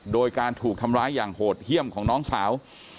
โดยการถูกทำร้ายอย่างโหดเยี่ยมของน้องสาว